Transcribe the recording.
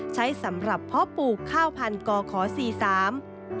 ใช้สำหรับเพาะปลูกข้าวพันก่อขอสี่สาม